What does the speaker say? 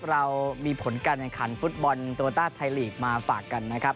เรามีผลการแข่งขันฟุตบอลโรต้าไทยลีกมาฝากกันนะครับ